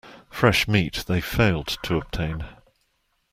Fresh meat they failed to obtain.